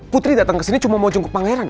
putri datang kesini cuma mau jungkuk pangeran om